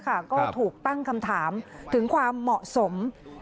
ก็ถูกตั้งคำถามถึงความเหมาะสม